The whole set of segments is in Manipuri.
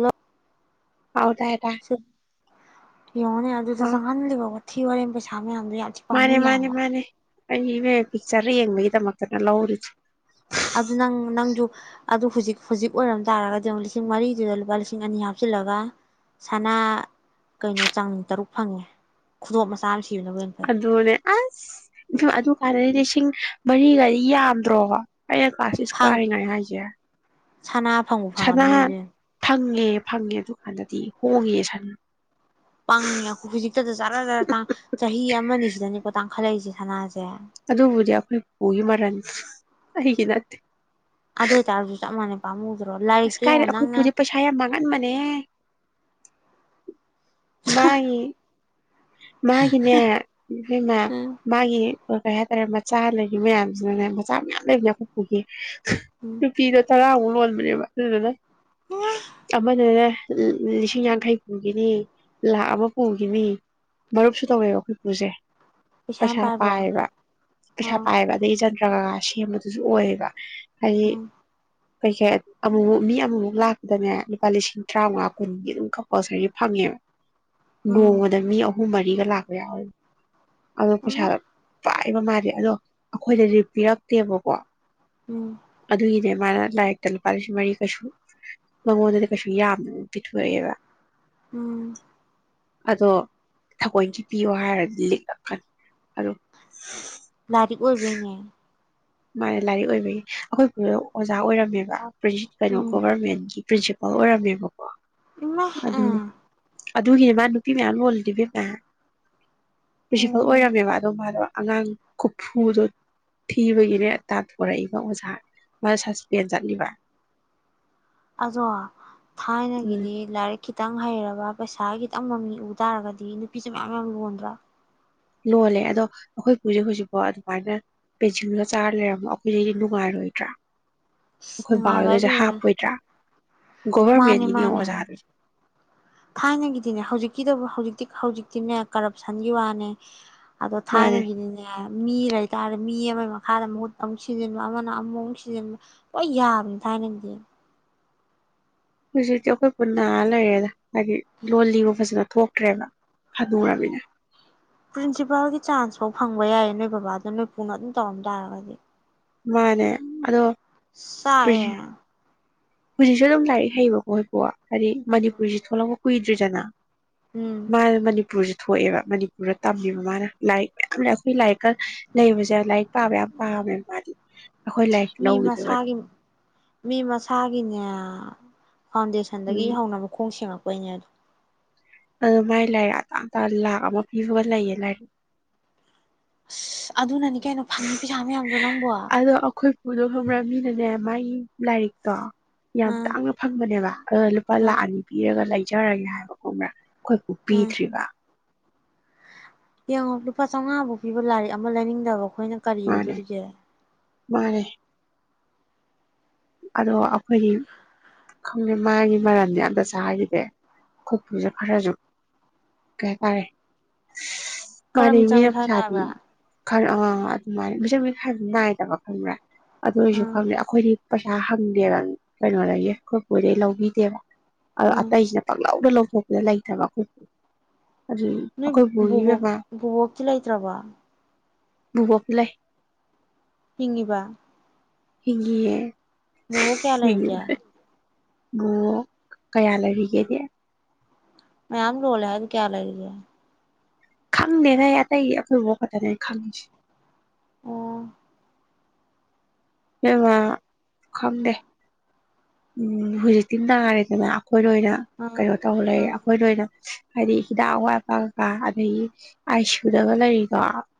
ꯅ ꯍꯥꯎ ꯇꯥꯏ ꯇꯥꯏ ꯌꯦꯡꯉꯣꯅꯦ ꯑ ꯑꯗꯨꯗ ꯆꯪꯍꯜꯂꯤꯕ ꯋꯥꯊꯤ ꯋꯥꯔꯦꯝꯄꯩꯁꯥ ꯃꯌꯥꯝꯗꯣ ꯌꯥꯝ ꯊꯤ ꯄꯥꯝꯃꯨꯏ ꯍꯥꯏꯕ ꯑꯩꯗꯤꯅꯦ ꯄꯤꯛꯆꯔꯗ ꯌꯦꯡꯕꯒꯤ ꯗꯃꯛꯇ ꯂꯧꯔꯤꯗꯣ ꯑꯗꯨ ꯅꯪ ꯅꯪꯁꯨ ꯑꯗꯨ ꯍꯧꯖꯤꯛ ꯍꯧꯖꯤꯛ ꯑꯣꯏꯔꯝ ꯇꯥꯔꯒꯗꯤ ꯂꯤꯁꯤꯡ ꯃꯔꯤꯗꯨꯗ ꯂꯨꯄꯥ ꯂꯤꯁꯤꯡ ꯑꯅꯤ ꯍꯥꯞꯆꯤꯜꯂꯒ ꯁꯅꯥ ꯀꯩꯅꯣ ꯆꯥꯡ ꯇꯔꯨꯛ ꯐꯪꯉꯦ ꯈꯨꯗꯣꯞ ꯃꯆꯥ ꯑꯃꯁ ꯑꯗꯨꯗꯅꯦ ꯑꯁ ꯑꯗꯨ ꯍꯥꯟꯅꯒꯩꯗꯤ ꯂꯤꯁꯤꯡ ꯃꯔꯤꯒꯗꯤ ꯌꯥꯝꯗ꯭ꯔꯣꯕ ꯑꯩꯩꯅ ꯀꯂꯥꯁ ꯁꯤꯛꯁ ꯐꯪ ꯀꯥꯔꯤꯉꯩ ꯍꯥꯏꯁꯦ ꯁꯅꯥ ꯐꯪꯕꯨ ꯁꯅꯥ ꯐꯪꯉꯝꯅꯤ ꯏꯕꯦꯝ ꯐꯪꯉꯦ ꯐꯪꯉꯦ ꯑꯗꯨ ꯀꯥꯟꯗ ꯍꯣꯡꯉꯦ ꯁ ꯄꯪꯉꯦ ꯑꯩꯈ ꯍꯧꯖꯤꯛꯇꯗ ꯆꯥꯔꯔ ꯇꯥꯡ ꯆꯍꯤ ꯑꯃꯅꯤ ꯁꯤꯗꯅꯦꯀꯣ ꯇꯥꯡ ꯈꯠꯂꯛꯏꯁꯦ ꯁꯅꯥꯁꯦ ꯑꯗꯨꯕꯨꯗꯤ ꯑꯩꯈꯣꯏ ꯄꯨꯒꯤ ꯃꯔꯟ ꯑꯩꯒꯤ ꯅꯠꯇꯦ ꯑꯗꯨꯗꯣꯏꯇꯁꯨ ꯆꯞ ꯃꯥꯟꯅꯩ ꯄꯥꯃꯨꯡꯗ ꯑꯁ ꯀꯥꯏꯔꯦ ꯑꯩꯈꯣꯏ ꯄꯨꯁꯦ ꯄꯩꯁꯥ ꯌꯥꯝ ꯃꯥꯡꯍꯟꯕꯅꯦ ꯃꯥꯒꯤ ꯃꯥꯒꯤꯅꯦ ꯏꯕꯦꯝꯃ ꯎꯝ ꯃꯥꯒꯤ ꯀꯩ ꯍꯥꯏꯇꯥꯔꯦ ꯆꯥ ꯂꯩꯈꯤꯕ ꯃꯌꯥꯝꯁꯤꯅꯅꯦ ꯃꯆꯥ ꯃꯌꯥꯝ ꯂꯩꯕꯅꯦ ꯑꯩꯈꯣꯏ ꯄꯨꯒꯤ ꯎꯝ ꯅꯨꯄꯤꯗꯣ ꯇꯔꯥꯃꯨꯛ ꯂꯣꯟꯕꯅꯦꯕ ꯑꯗꯨꯗꯨꯅ ꯑꯃꯅꯅꯦ ꯂꯤꯁꯤꯡ ꯌꯥꯡꯈꯩ ꯄꯨꯈꯤꯅꯤ ꯂꯥꯛ ꯑꯃ ꯄꯨꯈꯤꯅꯤ ꯃꯔꯨꯞꯁꯨ ꯇꯧꯋꯦꯕ ꯑꯩꯈꯣꯏ ꯄꯨꯁꯦ ꯌꯥꯝ ꯄꯩꯁꯥ ꯄꯥꯏꯕ꯭ꯔꯥ ꯄꯥꯏꯕ ꯄꯩꯁꯥ ꯑꯣ ꯄꯥꯏꯕ ꯑꯗꯩꯒꯤ ꯆꯟꯗ꯭ꯔꯒꯒꯥꯏ ꯑ ꯁꯦꯝꯕꯗꯨꯁꯨ ꯑꯣꯏꯌꯦꯕ ꯍꯥꯏꯗꯤ ꯎꯝ ꯀꯩꯀꯩ ꯑꯃꯨꯃꯨꯛ ꯃꯤ ꯑꯃꯃꯨꯛ ꯂꯥꯛꯄꯗꯅꯦ ꯂꯨꯄꯥ ꯂꯤꯁꯤꯡ ꯇꯔꯥꯃꯉꯥ ꯀꯨꯟꯗꯤ ꯑꯗꯨꯝ ꯑꯣꯁꯍꯤ ꯐꯪꯉꯦ ꯎꯝ ꯕꯣꯡ ꯑꯍꯨꯝ ꯃꯔꯤꯒ ꯂꯥꯛꯄ ꯌꯥꯎꯏ ꯑꯗꯨ ꯄꯩꯁꯥ ꯑꯃ ꯄꯥꯏ ꯀꯩꯅꯣꯝ ꯍꯥꯏꯕꯅꯦ ꯑꯗꯣ ꯑꯩꯈꯣꯏꯗꯗꯤ ꯄꯤꯔꯛꯇꯦꯕꯀꯣ ꯎꯝ ꯑꯗꯨꯒꯤꯅꯦ ꯁꯃꯥꯏꯅ ꯂꯥꯏꯔꯤꯛꯇ ꯂꯨꯄꯥ ꯂꯤꯁꯤꯡ ꯃꯔꯤ ꯀꯩꯁꯨ ꯃꯉꯣꯟꯗꯗꯤ ꯀꯩꯁꯨ ꯌꯥꯝ ꯄꯤꯊꯣꯛꯑꯦꯕ ꯎꯝ ꯑꯗꯣ ꯊꯋꯣꯏꯡꯀꯤ ꯄꯤꯌꯣ ꯍꯥꯏꯔꯗꯤ ꯂꯤꯛꯂꯛꯀꯅꯤ ꯑꯗꯣ ꯂꯥꯏꯔꯤꯛ ꯑꯣꯏꯕꯩꯅꯦ ꯃꯥꯢ ꯂꯥꯏꯔꯤꯛ ꯑꯣꯏꯕꯒꯤ ꯑꯩꯈꯣꯏ ꯄꯨ ꯑꯣꯖ ꯑꯣꯏꯔꯝꯃꯦꯕ ꯄ꯭ꯔꯤ ꯀꯩꯅꯣ ꯎꯝ ꯒꯣꯕꯔꯃꯦꯟꯒꯤ ꯄ꯭ꯔꯤꯟꯁꯤ ꯑꯣ ꯑꯣꯏꯔꯝꯃꯦꯕ ꯏꯃꯥ ꯎꯝ ꯑꯗꯨꯒꯤꯅꯦ ꯃꯥ ꯅꯨꯄꯤ ꯃꯌꯥꯝ ꯂꯣꯜꯂꯤꯗꯣ ꯏꯕꯦꯝꯃ ꯄ꯭ꯔꯤꯟꯁꯤꯐꯜ ꯎꯝ ꯑꯣꯏꯔꯝꯃꯦꯕ ꯑꯗꯣ ꯃꯥꯗꯣ ꯑꯉꯥꯡ ꯈꯨꯐꯨꯗꯣ ꯊꯤꯕꯒꯤ ꯇꯥꯟꯊꯣꯔꯛꯏꯕ ꯑꯣꯖꯥ ꯃ ꯁꯁꯄꯦꯟ ꯆꯠꯂꯤꯕ ꯑꯗꯣ ꯎꯝ ꯊꯥꯏꯅꯒꯤꯗꯤ ꯂꯥꯏꯔꯤꯛ ꯈꯤꯇꯪ ꯍꯩꯔꯕ ꯄꯩꯁꯥ ꯈꯤꯇꯪ ꯃꯃꯤ ꯎ ꯇꯥꯔꯒꯗꯤ ꯅꯨꯄꯤꯁꯦ ꯃꯌꯥꯝ ꯌꯥꯝ ꯂꯣꯟꯗ꯭ꯔꯣ ꯂꯣꯜꯂꯦ ꯑꯗꯣ ꯑꯩꯈꯣꯏ ꯄꯨꯖꯦ ꯍꯧꯖꯤꯛꯐꯥꯎ ꯑꯗꯨꯃꯥꯏꯅ ꯄꯦꯟꯁꯤꯜꯒ ꯆꯥꯔ ꯂꯩꯔꯝꯃꯣ ꯑꯈꯣꯏꯗꯤ ꯅꯨꯡꯉꯥꯏꯔꯣꯏꯗ꯭ꯔ ꯑꯩꯈꯣꯏ ꯅꯨꯡꯉꯥꯏꯕ ꯕꯥꯍꯣꯢꯒꯁꯦ ꯏꯕꯦꯝꯃ ꯍꯥꯞꯄꯣꯏꯗ꯭ꯔ ꯃꯥꯅꯦ ꯃꯥꯅꯦ ꯊꯥꯏꯅꯒꯤꯗꯤꯅꯦ ꯍꯧꯖꯤꯛꯀꯤꯗꯕꯨ ꯍꯧꯖꯤꯛ ꯍꯧꯖꯤꯛ ꯍꯧꯖꯤꯛꯇꯤꯅꯦ ꯀꯔꯞꯁꯟꯒꯤ ꯋꯥꯅꯦ ꯑꯗꯣ ꯃꯥꯅꯦ ꯊꯥꯏꯅꯒꯤꯗꯤꯅꯦ ꯃꯤ ꯂꯩꯇꯥꯥꯔꯗꯤ ꯃꯤ ꯑꯃꯒꯤ ꯃꯈꯥꯗ ꯃꯍꯨꯠ ꯑꯃꯨꯛ ꯁꯤꯖꯤꯟꯕ ꯑꯃꯅ ꯑꯃꯨꯃꯨꯛ ꯁꯤꯖꯟꯕ ꯂꯣꯏ ꯌꯥꯕꯅꯦ ꯊꯥꯏꯅꯗꯤ ꯍꯧꯖꯤꯛꯇꯤ ꯑꯩꯈꯣꯏ ꯄꯨ ꯅꯔꯥ ꯂꯩꯔꯦꯗ ꯍꯥꯏꯗꯤ ꯂꯣꯟ ꯂꯤꯕꯨ ꯐꯖꯅ ꯊꯣꯛꯇ꯭ꯔꯦꯕ ꯍꯅꯨꯔꯝꯅꯤꯅ ꯄ꯭ꯔꯤꯟꯁꯤꯄꯜꯒꯤ ꯆꯥꯟꯁ ꯐꯧ ꯐꯪꯕ ꯌꯥꯏꯌꯦ ꯅꯣꯏ ꯕꯕꯥꯗꯣ ꯅꯣꯏ ꯄꯨꯅ ꯑꯗꯨꯝ ꯇꯧꯔꯝ ꯇꯥꯔꯒꯗꯤ ꯃꯥꯅꯦ ꯑꯗꯣ ꯁꯥꯏꯌꯦ ꯍꯧꯖꯤꯛꯁꯨ ꯑꯗꯨꯝ ꯂꯥꯏꯔꯤꯛ ꯍꯩꯕ ꯀꯣꯢꯄꯣ ꯍꯥꯏꯗꯤ ꯃꯅꯤꯄꯨꯔꯤꯁꯤ ꯊꯣꯛꯂꯛꯕ ꯀꯨꯏ ꯇ꯭ꯔꯤꯖꯅ ꯎꯝ ꯃꯥꯥꯏꯗ ꯃꯅꯤꯄꯨꯔꯖ ꯊꯣꯛꯑꯦꯕ ꯃꯅꯤ ꯄꯨꯔꯥ ꯇꯝꯃꯤꯕ ꯃꯥꯅ ꯂꯥꯏꯔꯤꯛ ꯌꯥꯝ ꯂꯩ ꯑꯈꯣꯏ ꯂꯥꯏꯔꯤꯛꯀ ꯂꯩꯕꯖꯦ ꯂꯥꯏꯔꯤꯛ ꯄꯥꯕ ꯌꯥꯝ ꯄꯥꯝꯃꯦ ꯃꯥꯗꯤ ꯑꯩꯈꯣꯏ ꯂꯥꯏꯔꯤꯛ ꯃꯤ ꯂꯧꯈꯤꯗꯣꯏꯕ ꯃꯁꯥꯒꯤ ꯃꯤ ꯃꯁꯥꯒꯤ ꯒꯤꯅꯦ ꯐꯥꯎꯟꯗꯦꯁꯟꯗꯒꯤ ꯎꯝ ꯍꯧꯅ ꯃꯈꯣꯡ ꯁꯦꯡꯉꯛ ꯑꯣꯏꯅ ꯑꯗꯨ ꯃꯥꯏ ꯂꯥꯢꯔꯤꯛ ꯑꯇꯥꯡ ꯑꯇꯥꯡ ꯂꯥꯛ ꯑꯃ ꯄꯤꯕꯒ ꯂꯩꯌꯦ ꯂꯥꯏꯔꯤꯛ ꯑꯁ ꯑꯗꯨꯅꯅꯤ ꯀꯩꯅꯣ ꯐꯪꯉꯤ ꯄꯩꯁꯥ ꯃꯌꯥꯝꯗꯣ ꯅꯪꯕꯣ ꯑꯗꯣ ꯑꯩꯈꯣꯏ ꯄꯨꯗꯣ ꯈꯪꯕ꯭ꯔ ꯃꯤꯅꯅꯦ ꯃꯥꯒꯤ ꯂꯥꯏꯔꯤꯛꯇꯣ ꯌꯥꯝ ꯎꯝ ꯇꯥꯡꯅ ꯐꯪꯕꯅꯦꯕ ꯑꯗꯨꯅ ꯂꯨꯄꯥ ꯎꯝ ꯂꯥꯛ ꯑꯅꯤ ꯄꯤꯔꯒ ꯂꯩ ꯆꯠꯆꯔꯒꯦ ꯍꯥꯏꯕ ꯈꯣꯝꯕ꯭ꯔ ꯑꯈꯣꯏꯕꯨꯛ ꯎꯝ ꯄꯤꯗ꯭ꯔꯤꯕ ꯌꯦꯡꯉꯣ ꯂꯨꯄꯥ ꯆꯝꯉꯥꯕꯧ ꯄꯤꯕ ꯂꯥꯏꯔꯤꯛ ꯑꯃ ꯂꯩꯅꯤꯡꯗꯕ ꯑꯩꯈꯣꯏꯅ ꯀꯔꯤ ꯃꯥꯅꯦ ꯑꯣꯏꯗꯨꯔꯤꯒꯦ ꯃꯥꯅꯦ ꯑꯗꯣ ꯑꯩꯈꯣꯏꯗꯤ ꯈꯪꯗꯦ ꯃꯥꯒꯤ ꯃꯔꯜꯗꯤ ꯑꯝꯇ ꯆꯥꯈꯤꯗꯦ ꯈꯣꯢꯄꯨꯁꯦ ꯈꯔꯁꯨ ꯀꯩ ꯍꯥꯏꯇꯥꯔꯦ ꯈꯔ ꯃꯥꯅꯦ ꯃꯤꯆꯪ ꯃꯤꯅ ꯃꯤꯈꯥꯏ ꯄꯩꯁꯥꯗꯤ ꯅꯥꯏꯕ꯭ꯔꯥ ꯈꯔ ꯑꯪ ꯑꯗꯨꯃꯥꯏꯅ ꯃꯤꯁꯪ ꯃꯤꯈꯥꯢꯕꯨꯗꯤ ꯅꯥꯏꯗꯕ ꯈꯪꯕ꯭ꯔ ꯑꯗꯨ ꯑꯣꯏꯖꯨ ꯎꯝ ꯈꯪꯗꯦ ꯑꯈꯣꯏꯗꯤ ꯄꯩꯁꯥ ꯍꯪꯗꯦꯕ ꯀꯩꯅꯣꯗꯒꯤ ꯑꯩꯈꯣꯏ ꯄꯨꯗꯒꯤ ꯂꯧꯕꯤꯗꯦꯕ ꯑ ꯎꯝ ꯑꯇꯩꯁꯤꯅ ꯄꯥꯛꯂꯧꯗ ꯂꯧ ꯊꯣꯛꯗ ꯂꯩꯇꯕ ꯑꯩꯈꯣꯢ ꯅꯣꯏ ꯕꯨꯕꯣꯛ ꯕꯣꯕꯣꯛꯇꯤ ꯂꯩꯇ꯭ꯔꯕꯣ ꯕꯨꯕꯣꯛ ꯂꯩ ꯍꯤꯡꯉꯤꯕ ꯍꯤꯡꯉꯤꯌꯦ ꯕꯨꯕꯣꯛ ꯀꯌꯥ ꯁꯤꯒꯤ ꯂꯩꯔꯤꯒꯦ ꯕꯨꯕꯣꯛ ꯀꯌꯥ ꯂꯩꯔꯤꯒꯦꯒꯦ ꯃꯌꯥꯝ ꯂꯣꯜꯂꯦ ꯍꯥꯏꯗꯨ ꯀꯌꯥ ꯂꯩꯔꯤꯒꯦ ꯈꯪꯗꯦꯗ ꯑꯩ ꯑꯩꯇꯩ ꯑꯩꯈꯣꯢ ꯕꯣꯛ ꯈꯡꯇꯅꯦ ꯈꯪꯢꯁꯦ ꯑꯣ ꯕꯦꯝꯃ ꯈꯪꯗꯦ ꯎꯝ ꯍꯧꯖꯤꯛꯇꯤ ꯅꯥꯔꯦꯗꯅ ꯑꯩꯈꯣꯏ ꯑꯣꯏꯅ ꯑꯥ ꯀꯩꯅꯣ ꯇꯧ ꯂꯩꯔꯦ ꯑꯥ ꯑꯩꯈꯣꯏꯅ ꯑꯣꯏꯅ ꯍꯥꯏꯗꯤ ꯍꯤꯗꯥꯛ ꯑꯋꯥꯠ ꯑꯄꯥ ꯀꯩꯀ ꯑꯗꯒꯤ ꯑꯥꯏ ꯁꯤ ꯌꯨꯗꯒ ꯂꯩꯔꯤꯗꯣ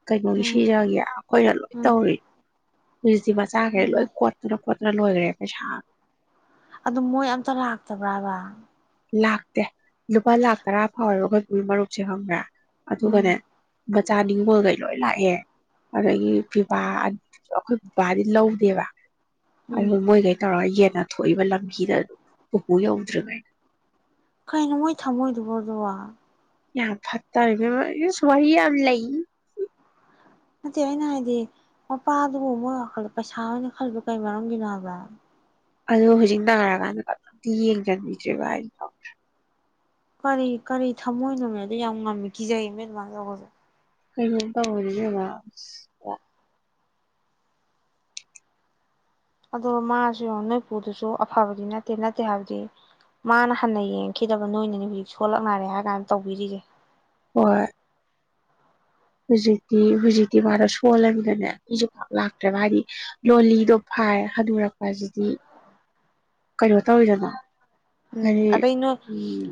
ꯀꯩꯅꯣꯒꯤ ꯎꯝ ꯁꯤꯖꯒꯤ ꯑꯈꯣꯏꯅ ꯂꯣꯏ ꯇꯧꯋꯦ ꯍꯨꯖꯤꯛꯗꯤ ꯃꯥ ꯆꯒꯔꯦ ꯂꯣꯏ ꯎꯝ ꯀꯣꯠꯂ ꯈꯣꯠꯇ꯭ꯔꯥ ꯂꯣꯏꯈ꯭ꯔꯦ ꯄꯩꯁꯥ ꯑꯗꯨ ꯃꯣꯏ ꯑꯝꯇ ꯂꯥꯛꯇꯕ꯭ꯔꯥꯕ ꯂꯥꯛꯇꯦ ꯂꯨꯄꯥ ꯂꯥꯛ ꯇꯔꯥ ꯐꯥꯎꯔꯒ ꯑꯗꯨꯒꯤ ꯃꯔꯨꯞꯁꯦ ꯈꯪꯕ꯭ꯔꯥ ꯎꯝ ꯑꯗꯨꯒꯅꯦ ꯃꯆꯥꯅꯤꯉꯣꯜꯈꯩ ꯂꯣꯏ ꯂꯥꯛꯑꯦ ꯑꯗꯨꯗꯒꯤ ꯄꯤꯕꯥ ꯑꯩꯈꯣꯏ ꯕꯕꯥꯗꯤ ꯂꯧꯗꯦꯕ ꯑꯗꯨ ꯎꯝ ꯃꯣꯏ ꯀꯩ ꯇꯧꯔꯒ ꯌꯦꯅ ꯊꯣꯛꯏꯕ ꯂꯝꯕꯤꯗ ꯄꯨꯄꯨ ꯌꯧꯗ꯭ꯔꯤꯕꯅ ꯀꯩꯅꯩꯅꯣ ꯃꯣꯏ ꯊꯝꯃꯣꯏꯗꯨꯕ ꯑꯗꯨꯕꯨ ꯌꯥ ꯐꯠꯇꯔꯦ ꯏꯕꯦꯝꯃ ꯏꯁ ꯋꯥꯔꯤ ꯌꯥꯝ ꯂꯩ ꯅꯠꯇꯦ ꯑꯩꯅ ꯍꯥꯏꯗꯤ ꯃꯄꯥꯗꯨꯕꯨ ꯃꯣꯏ ꯋꯥꯈꯜꯂ ꯄꯩꯁꯥ ꯑꯣꯏꯅ ꯈꯜꯕ ꯀꯩ ꯃꯔꯝꯒꯤꯅꯣ ꯍꯥꯏꯕ ꯑꯗꯣ ꯍꯧꯖꯤꯛ ꯅꯥꯔꯀꯥꯟꯗ ꯀꯅꯥꯝꯇ ꯌꯦꯡꯁꯤꯟꯕꯤꯗ꯭ꯦꯔꯤꯕ ꯍꯥꯏ ꯀꯔꯤ ꯀꯔꯤ ꯊꯝꯃꯣꯏꯅꯣꯃꯦꯗ ꯌꯥꯝ ꯉꯝꯃꯤ ꯀꯤꯖꯩꯃꯦ ꯑꯗꯨꯃꯥꯏꯅ ꯇꯧꯕꯁꯨꯦ ꯀꯩꯅꯣ ꯇꯧꯕꯅꯦ ꯏꯕꯦꯝꯃ ꯏꯁ ꯄꯨꯔ ꯑꯗꯣ ꯃꯥꯁꯨ ꯅꯣꯏ ꯄꯨꯨꯗꯨꯁꯨ ꯑꯐꯕꯗꯤ ꯅꯠꯇꯦ ꯅꯠꯇꯦ ꯍꯥꯏꯕꯗꯤ ꯃꯥꯅ ꯍꯟꯅ ꯌꯦꯡꯈꯤꯗꯕ ꯅꯣꯏꯅꯅꯤ ꯍꯧꯖꯤꯛ ꯁꯣꯜꯂꯛ ꯅꯥꯔꯦ ꯍꯥꯏꯔ ꯀꯥꯟꯗ ꯇꯧꯕꯤꯔꯤꯁꯦ ꯍꯣꯏ ꯍꯧꯖꯤꯛꯇꯤ ꯍꯧꯖꯤꯛꯇꯤ ꯃꯥꯗꯣ ꯁꯣꯜꯂꯃꯤꯗꯅꯦ ꯃꯤꯁꯨ ꯄꯥꯛ ꯂꯥꯛꯇ꯭ꯔꯦꯕ ꯍꯥꯏꯗꯤ ꯂꯣꯂꯤꯗꯣ ꯐꯥꯏ ꯍꯅꯨꯔꯛꯄꯁꯤꯗꯤ ꯀꯩꯅꯣ ꯇꯧꯔꯤꯗꯅꯣ ꯎꯝ ꯑꯗꯩ ꯅꯣ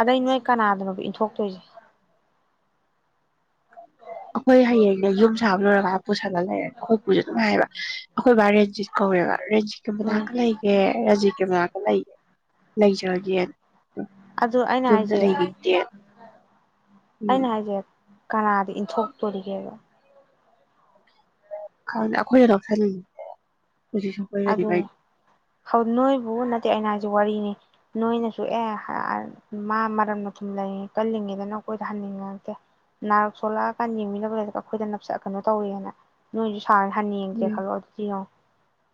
ꯑꯗꯩ ꯅꯣꯏ ꯀꯅꯥꯗꯅꯣ ꯊꯣꯛꯇꯣꯏꯁꯦ ꯑꯩꯈꯣꯏ ꯍꯌꯦꯡꯅꯦ ꯌꯨꯝ ꯁꯥꯕ ꯂꯣꯏꯔꯒ ꯄꯨꯁꯜꯂ ꯂꯩꯔꯦ ꯈꯣꯏꯄꯨꯁꯨ ꯑꯗꯨꯝ ꯉꯥꯏꯌꯦꯕ ꯑꯩꯈꯣꯏꯕꯥꯔꯦ ꯔꯟꯖꯤꯠ ꯀꯧꯋꯦꯕ ꯔꯖꯤꯠꯀꯤ ꯃꯅꯥꯛ ꯎꯝ ꯂꯩꯒꯦ ꯔꯖꯤꯠꯀꯤ ꯃꯅꯥꯛ ꯂꯩ ꯂꯩꯖꯗꯤꯌꯦ ꯑꯗꯨ ꯑꯩꯅ ꯍꯥꯏꯖꯩ ꯎꯝ ꯑꯩꯅ ꯍꯥꯏꯖꯩ ꯀꯅꯥꯗ ꯏꯟꯊꯣꯛꯇꯣꯔꯤꯒꯦꯕ ꯈꯪ ꯑꯩꯈꯣꯏꯅ ꯂꯧꯁꯜꯂꯤꯅꯤ ꯍꯧꯖꯤꯛꯁꯨ ꯑꯗꯨꯅꯦ ꯑꯩꯈꯣꯏꯒꯅꯤ ꯅꯣꯏꯕꯨ ꯅꯠꯇꯦ ꯑꯩꯅ ꯍꯥꯏꯁ ꯋꯥꯔꯤꯅꯤ ꯅꯣꯏꯅꯁꯨ ꯑꯦ ꯃꯥ ꯃꯔꯝ ꯃꯊꯨꯝ ꯂꯩ ꯀꯜꯂꯤꯉꯩꯗꯅ ꯑꯩꯈꯣꯏꯗ ꯍꯟꯅꯤꯡꯉ ꯅꯛꯇꯦ ꯅꯥꯔꯛ ꯁꯣꯂꯛꯑꯀꯥꯟ ꯌꯦꯡꯃꯤꯅꯕ ꯂꯩꯔꯒ ꯑꯩꯈꯣꯏꯗ ꯅꯞꯁꯛꯀꯅꯣ ꯇꯧꯋꯤꯅ ꯅꯣꯏꯁꯨ ꯁꯥꯎꯔ ꯍꯟꯅ ꯌꯦꯡꯒꯦ ꯎꯝ ꯈꯜꯂꯣ ꯑꯗꯨꯗꯤ ꯌꯦꯡꯉꯣ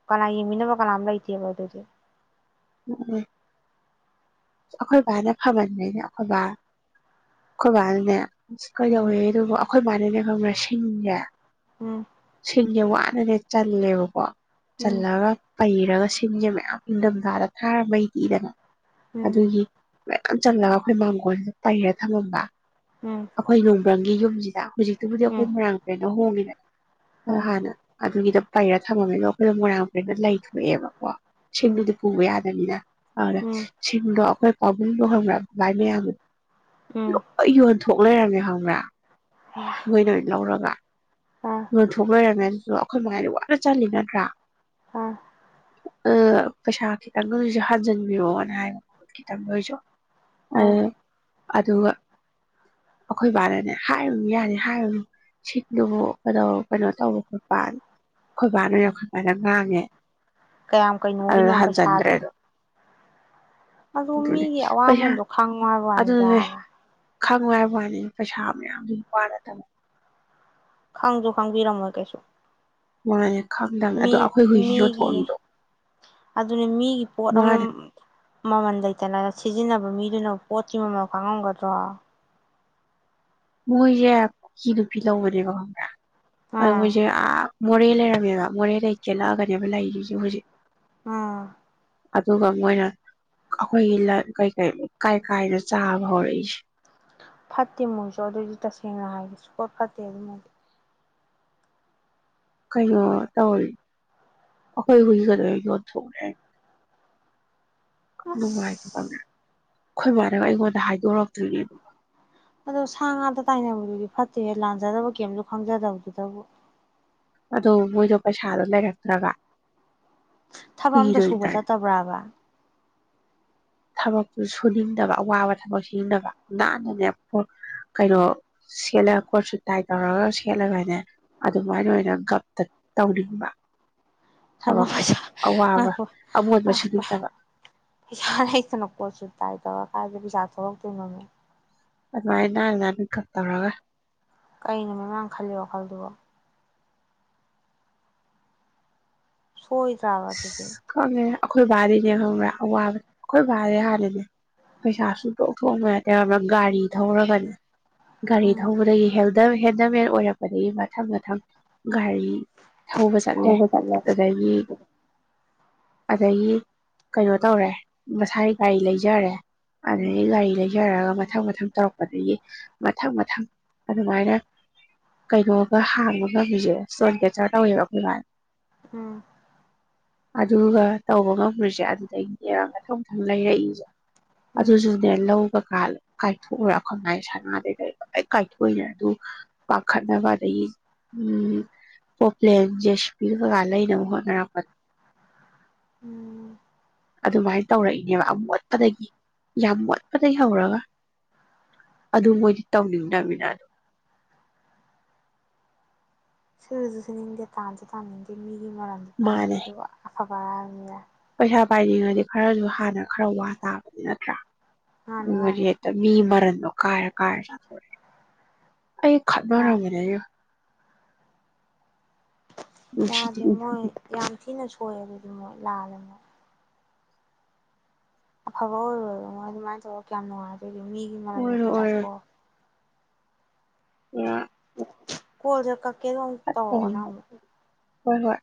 ꯀꯅꯥ ꯌꯦꯡꯃꯤꯟꯅꯕ ꯀꯅꯥꯝ ꯂꯩꯇꯦꯕ ꯑꯗꯨꯗꯤ ꯎ ꯑꯩꯈꯣꯏ ꯕꯥꯅ ꯐꯃꯟꯕꯅꯦ ꯑꯩꯈꯣꯏꯕꯥ ꯑꯩꯈꯣꯏꯕꯥꯅꯅꯦ ꯑ ꯎꯝ ꯀꯩꯗꯧꯋꯦ ꯑꯗꯨꯕꯨ ꯑꯩꯈꯣꯏ ꯃꯥꯅꯅꯦ ꯈꯪꯔꯦ ꯁꯤꯡꯖꯦ ꯎꯝ ꯁꯤꯡꯁꯦ ꯋꯥꯅ ꯑꯗꯨꯗꯤ ꯆꯜꯂꯦꯕꯀꯣ ꯎꯝ ꯆꯜꯂꯥꯒ ꯄꯩꯔꯒ ꯁꯤꯡꯁꯦ ꯃꯌꯥꯝ ꯏꯪꯊꯝꯊꯥꯗ ꯊꯥꯔꯕꯩꯗꯤꯗꯅ ꯎꯝ ꯑꯗꯨꯒꯤ ꯃꯌꯥꯝ ꯆꯜꯂꯒ ꯑꯩꯈꯣꯏ ꯃꯥꯡꯒꯣꯜꯁꯤꯗ ꯄꯩꯔ ꯊꯝꯃꯝꯕ ꯎꯝ ꯑꯩꯈꯣꯏ ꯅꯣꯡꯕ꯭ꯔꯪꯒꯤ ꯌꯨꯝ ꯖꯤꯗ ꯍꯧꯖꯤꯛꯇꯨꯕꯨꯗꯤ ꯎꯝ ꯑꯩꯈꯣꯏ ꯃꯣꯢꯔꯥꯡ ꯄꯨꯔꯦꯟꯗ ꯍꯣꯡꯉꯤꯅꯦ ꯑꯗꯣ ꯎꯝ ꯍꯥꯟꯅ ꯑꯗꯨꯒꯤꯗꯣ ꯄꯩꯔ ꯊꯝꯃꯝꯃꯤ ꯑꯩꯈꯣꯏꯅ ꯃꯣꯏꯔꯥꯡ ꯄꯨꯔꯦꯟꯗ ꯂꯩꯊꯣꯛꯑꯦꯕꯀꯣ ꯎꯝ ꯁꯤꯡꯗꯨꯗꯤ ꯄꯨꯕ ꯌꯥꯗꯕꯅꯤꯅ ꯐꯔꯦ ꯎꯝ ꯁꯤꯡꯗꯣ ꯑꯩꯈꯣꯏ ꯑꯕꯨꯡꯗꯣ ꯈꯪꯕ꯭ꯔꯥ ꯃꯥꯏ ꯃꯌꯥꯝꯕ ꯎꯝ ꯊꯣꯛ ꯂꯩꯔꯝꯃꯦ ꯈꯪꯕ꯭ꯔꯥ ꯑ ꯃꯣꯏꯅ ꯑꯣꯏꯅ ꯂꯧꯔꯒ ꯑ ꯌꯣꯟꯊꯣꯛ ꯂꯩꯔꯝꯃꯦ ꯖꯨ ꯑꯩꯈꯣꯏ ꯃꯥꯍꯣꯏ ꯋꯥꯅ ꯆꯜꯂꯤ ꯅꯠꯇ꯭ꯔꯥ ꯑꯥ ꯑꯗꯣ ꯄꯩꯁꯥ ꯈꯤꯇꯪꯒ ꯑꯣꯢꯔꯁꯨ ꯍꯟꯖꯤꯟꯕꯤꯔꯛꯑꯣꯅ ꯍꯥꯏꯕ ꯈꯤꯠꯇꯟꯒ ꯑꯣꯏꯁꯨ ꯑ ꯑꯥ ꯑꯗꯨꯒ ꯑꯩꯈꯣꯏ ꯕꯥꯅꯅꯦ ꯍꯥꯏꯔꯨꯅꯨ ꯌꯥꯔꯦ ꯍꯥꯏꯔꯨꯅꯨ ꯁꯤꯡꯗꯨꯕꯨ ꯀꯩꯗꯧ ꯀꯩꯅꯣ ꯇꯧꯕ ꯈꯣꯠꯄꯅ ꯑꯩꯈꯣꯏꯕꯥꯅꯦ ꯑꯩꯈꯣꯢ ꯃꯥꯗ ꯉꯥꯡꯉꯦ ꯀꯌꯥꯝ ꯑꯗꯨꯗ ꯀꯩꯅꯣꯒꯤꯅꯣ ꯍꯟꯖꯟꯗ꯭ꯔꯦ ꯄꯩꯁꯥꯗꯣ ꯑꯗꯣ ꯑꯗꯨ ꯑꯗꯨꯅꯦ ꯃꯤꯒꯤ ꯄꯩꯁꯥ ꯑꯋꯥꯃꯟꯗꯣ ꯈꯪꯉꯣ ꯍꯥꯢꯕ ꯋꯥꯅꯤꯗ ꯈꯪꯉꯣ ꯍꯥꯢꯕ ꯋꯥꯅꯤꯗ ꯄꯩꯁꯥ ꯃꯌꯥꯝꯖꯨ ꯄꯥꯢꯔ ꯊꯝꯃꯣ ꯈꯪꯖꯨ ꯈꯪꯕꯤꯔꯝꯃꯣꯢ ꯀꯩꯁꯨ ꯃꯥꯅꯦ ꯈꯪꯗꯕꯅꯦ ꯃꯤ ꯑꯗꯣ ꯑꯩꯈꯣꯏ ꯍꯨꯏꯁꯤ ꯃꯤꯒꯤ ꯌꯣꯟꯊꯣꯛꯑꯝꯗꯣ ꯑꯗꯨꯅꯦ ꯃꯤꯒꯤ ꯄꯣꯠ ꯑꯃ ꯃꯥꯅꯦ ꯃꯃꯟ ꯂꯩꯇꯅ ꯁꯤ ꯁꯤꯖꯤꯟꯅꯕ ꯃꯤꯗꯨꯅ ꯄꯣꯠꯀꯤ ꯃꯃꯜ ꯈꯪꯉꯝꯒꯗ꯭ꯔꯣ ꯃꯣꯏꯁꯦ ꯀꯨꯀꯤ ꯅꯨꯄꯤ ꯂꯧꯕꯅꯦꯕ ꯈꯪꯕ꯭ꯔꯥ ꯑꯗꯣ ꯑꯥ ꯃꯣꯢꯁꯦ ꯑꯥ ꯃꯣꯔꯦ ꯂꯩꯔꯝꯃꯦꯕ ꯃꯣꯔꯦ ꯗꯩ ꯆꯦꯜꯂꯛꯑꯒꯅꯦꯕ ꯂꯩꯔꯤꯁꯦ ꯍꯨꯖꯤꯛ ꯑꯥ ꯑꯗꯨꯒ ꯃꯣꯏꯅ ꯑꯩꯈꯣꯏꯒꯤ ꯂꯟ ꯀꯩꯀꯩ ꯀꯥꯏ ꯀꯥꯏꯗꯅ ꯆꯥꯕ ꯍꯧꯔꯛꯏꯁꯦ ꯐꯠꯇꯦ ꯃꯣꯏꯁꯨ ꯑꯗꯨꯗꯤ ꯇꯁꯦꯡꯅ ꯍꯥꯏꯒꯦ ꯁꯨꯛꯐꯠꯇꯦ ꯑꯗꯨꯃꯣꯏꯗꯤ ꯀꯩꯅꯣ ꯇꯧꯔꯤ ꯑꯈꯣꯏ ꯍꯨꯏꯗꯨꯁꯨ ꯑꯗꯨꯗꯩ ꯌꯣꯟꯊꯣꯛ ꯂꯩꯔꯝꯃꯦ ꯅꯨꯡꯉꯥꯏꯇꯦ ꯇꯜꯂꯦ ꯑꯁ ꯑꯩꯈꯣꯏ ꯃꯅꯥꯒ ꯑꯩꯉꯣꯟꯗ ꯍꯥꯏꯗꯣꯔꯛꯇꯔ꯭ꯤ ꯅꯦ ꯑꯗꯨꯒ ꯑꯗꯣ ꯁꯥ ꯉꯥꯗ ꯇꯥꯏꯅꯕꯗꯨꯗꯤ ꯐꯠꯇꯦꯌꯦ ꯂꯥꯟꯖꯗꯕ ꯀꯦꯝꯁꯨ ꯈꯪꯖꯗꯕꯗꯨꯗꯕꯨ ꯑꯗꯣ ꯃꯣꯏꯗꯣ ꯄꯩꯁꯥꯗꯣ ꯂꯩꯔꯛꯇ꯭ꯔꯕ ꯊꯕꯛ ꯑꯝꯇ ꯁꯨꯕ ꯆꯠꯇꯕ꯭ꯔꯥꯕ ꯊꯕꯛꯇꯨ ꯁꯨꯅꯤꯡꯗꯕ ꯑꯋꯥꯕ ꯊꯕꯛ ꯁꯨꯅꯤꯡꯗꯕ ꯅꯥꯟꯅꯅꯦ ꯀꯩꯅꯣ ꯁꯦꯠꯂꯒ ꯀꯣꯠꯁꯨꯠ ꯇꯥꯏ ꯇꯧꯔꯒ ꯁꯦꯠꯂꯒꯅꯦ ꯑꯗꯨꯃꯥꯏꯅ ꯑꯣꯏꯅ ꯒꯞꯇ ꯇꯧꯅꯤꯡꯕ ꯊꯕꯛꯇꯣ ꯄꯩꯁꯥ ꯑꯋꯥꯕ ꯉꯥꯏꯈꯣ ꯑꯃꯣꯠꯄ ꯁꯨꯅꯤꯡꯗꯕ ꯄꯩꯁꯥ ꯂꯩꯇꯅ ꯀꯣꯠꯁꯨꯠ ꯇꯥꯏ ꯇꯧꯔ ꯀꯥꯏꯗꯒꯤ ꯄꯩꯁꯥ ꯊꯣꯛꯂꯛ ꯇꯣꯏꯅꯣꯃꯦ ꯑꯗꯨ ꯃꯥꯥꯏ ꯅ ꯅꯥꯟꯅ ꯅꯥꯟꯅ ꯒꯞ ꯇꯧꯔ ꯀꯩꯅꯣ ꯃꯃꯥꯅ ꯈꯜꯂꯤ ꯋꯥꯈꯜꯗꯨꯕꯣ ꯍꯣꯏꯗꯔꯥ ꯑꯗꯨꯗꯤ ꯑꯁ ꯈꯪꯉꯦ ꯑꯩꯈꯣꯏ ꯕꯥꯗꯤꯅꯦ ꯈꯪꯕ꯭ꯔꯥ ꯑꯋꯥꯕ ꯑꯩꯈꯣꯏ ꯕꯥꯗꯤ ꯍꯥꯟꯅꯅꯦ ꯄꯩꯁꯥ ꯁꯨꯡꯊꯣꯛ ꯊꯣꯛꯑꯝꯕ ꯅꯠꯇꯦ ꯒꯥꯔꯤ ꯊꯧꯔꯒꯅꯦ ꯒꯥꯔꯤ ꯎꯝ ꯊꯧꯕꯗꯒꯤ ꯍꯦꯜ ꯍꯦꯟꯗꯃꯦꯟ ꯑꯣꯏꯔꯛꯄꯗꯒꯤ ꯃꯊꯪ ꯃꯊꯪ ꯒꯥꯔꯤ ꯊꯧꯕ ꯆꯠꯂꯦ ꯑꯗꯨꯗꯒꯤ ꯑꯗꯒꯤ ꯀꯩꯅꯣ ꯇꯧꯔꯦ ꯃꯁꯥꯒꯤ ꯒꯥꯔꯤ ꯂꯩꯖꯔꯦ ꯎꯝ ꯑꯗꯩ ꯒꯥꯔꯤ ꯂꯩꯖꯔꯒ ꯃꯊꯪ ꯃꯊꯪ ꯇꯧꯔꯛꯄꯗꯒꯤ ꯃꯊꯪ ꯃꯊꯪ ꯑꯗꯨꯃꯥꯏꯅ ꯀꯩꯅꯣꯒ ꯍꯥꯡꯕ ꯉꯝꯃꯤꯖꯦ ꯏꯁꯇꯣꯟ ꯀꯦꯆꯔ ꯇꯧꯋꯦꯕ ꯑꯩꯈꯣꯏ ꯕꯥꯅ ꯎꯝ ꯑꯗꯨꯒ ꯇꯧꯕ ꯉꯝꯒ꯭ꯔꯤꯖꯦ ꯑꯗꯨꯗꯩꯅꯦꯕ ꯃꯊꯪ ꯃꯊꯪ ꯂꯩꯔꯛꯏꯖꯦ ꯎꯝ ꯑꯗꯨꯖꯨꯅꯦ ꯂꯧꯒ ꯀꯥꯏꯊꯣꯛꯎꯔ ꯁꯅꯥꯗꯩ ꯀꯩ ꯂꯣꯏ ꯀꯥꯏꯊꯣꯛꯏꯅ ꯑꯗꯨ ꯄꯥꯈꯠꯅꯕ ꯑꯗꯒꯤ ꯎꯝ ꯄꯣꯞꯄ꯭ꯂꯦꯟ ꯖ꯭ꯦꯁꯄꯤ ꯀꯩꯀꯥ ꯂꯩꯅꯕ ꯍꯣꯠꯅꯔꯛꯄ ꯑ [unintelligible] ꯎꯝ ꯑꯗꯨꯃꯥꯏꯅ ꯇꯧꯔꯛꯏꯅꯦꯕ ꯌꯥꯝ ꯃꯣꯠꯄꯗꯒꯤ ꯌꯥꯝ ꯃꯣꯠꯄꯗꯒꯤ ꯍꯧꯔꯒ ꯑꯗꯨ ꯃꯣꯏꯗꯤ ꯇꯧꯅꯤꯡꯗꯃꯤꯅ ꯁꯨꯖꯨꯁꯨꯅꯤꯡꯗꯦ ꯇꯥꯟꯖꯨ ꯇꯥꯟꯅꯤꯡꯗꯦ ꯃꯤ ꯃꯤ ꯃꯔꯝꯗꯤ ꯄꯥꯝꯃꯦ ꯃꯥꯥꯟꯅꯩ ꯑꯗꯨꯒ ꯑꯐꯕ [unintelligible] ꯄꯩꯁꯥ ꯄꯥꯏꯅꯤꯡꯉꯗꯤ ꯈꯔꯖꯨ ꯍꯥꯟꯅ ꯈꯔ ꯋꯥ ꯇꯥꯕꯗꯤ ꯅꯠꯇ꯭ꯔꯥ ꯃꯥꯅꯦ ꯃꯣꯏꯗꯤ ꯃꯥꯅꯦ ꯃꯤ ꯃꯥꯔꯟ ꯗꯣ ꯀꯥꯏꯔ ꯀꯥꯏꯔ ꯆꯥꯊꯣꯛ ꯑꯦ ꯑꯩ ꯈꯠꯅꯔꯝꯕꯅꯤ ꯑꯩꯒ ꯅꯨꯡꯁꯤꯗꯦ ꯌꯥꯗꯦ ꯃꯣꯏ ꯌꯥꯝ ꯊꯤꯅ ꯁꯣꯏꯌꯦ ꯑꯗꯨꯗꯤ ꯃꯣꯏ ꯂꯥꯜꯂꯦ ꯃꯣꯏ ꯑꯐꯕ ꯑꯣꯏꯔꯣꯏꯌꯦ ꯃꯣꯏ ꯑꯗꯨꯃꯥꯏꯅ ꯇꯧꯔ ꯀꯌꯥꯝ ꯅꯨꯡꯉꯥꯏ ꯃꯤꯒꯤ ꯃꯔꯟ ꯑꯣꯏꯔꯣ ꯃꯊꯨꯝ ꯑꯣꯏꯔꯣ ꯆꯥꯊꯣꯛ [unintelligible] ꯀꯣꯜꯁꯦ ꯀꯛ ꯀꯦꯔꯣꯡ ꯇꯧꯔꯛ ꯐꯠꯇꯕꯅꯤ ꯑꯣꯅꯪ ꯃꯨꯛ ꯍꯣꯏ ꯍꯣꯏ